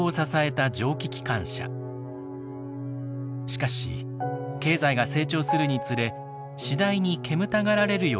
しかし経済が成長するにつれ次第に煙たがられるようになりました。